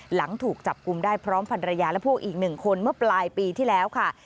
หลังถูกจับกลุ่มได้พร้อมพันรยาและพวกอีกหนึ่งคนเมื่อปลายปีที่แล้วค่ะ